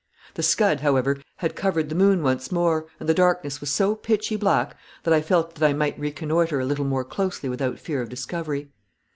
The scud, however, had covered the moon once more, and the darkness was so pitchy black that I felt that I might reconnoitre a little more closely without fear of discovery.